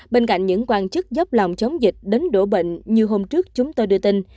bên cạnh những quan chức dốc lòng chống dịch đến đổ bệnh như hôm trước chúng tôi đưa tin